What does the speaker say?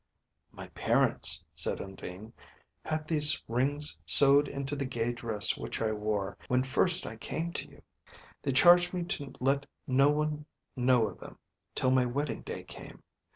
"My parents," said Undine, "had these rings sewed into the gay dress which I wore, when first I came to you. They charged me to let no one know of them till my wedding day came.